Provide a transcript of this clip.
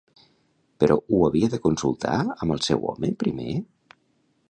Però ho havia de consultar amb el seu home, primer?